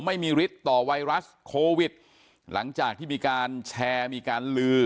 ไม่มีฤทธิ์ต่อไวรัสโควิดหลังจากที่มีการแชร์มีการลือ